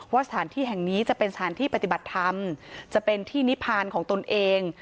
สถานที่แห่งนี้จะเป็นสถานที่ปฏิบัติธรรมจะเป็นที่นิพานของตนเอง